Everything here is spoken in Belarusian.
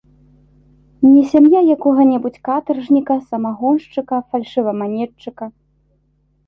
Не сям'я якога-небудзь катаржніка, самагоншчыка, фальшываманетчыка.